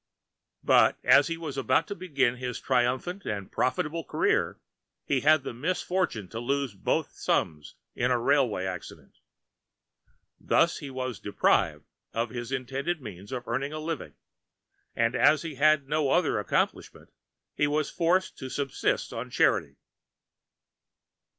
But as he was about to Begin his Triumphant and Profitable Career, he had the Misfortune to lose both Thumbs in a Railway Accident. Thus he was Deprived of his Intended Means of Earning a Living, and as he had no other Accomplishment he was Forced to Subsist on Charity.